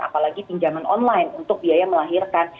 apalagi pinjaman online untuk biaya melahirkan